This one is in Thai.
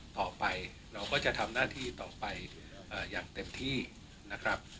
ต่อไปเราก็จะทำหน้าที่ต่อไปอย่างเต็มที่นะครับ